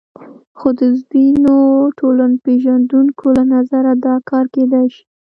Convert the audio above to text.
خو د ځینو ټولنپېژندونکو له نظره دا کار کېدای شي.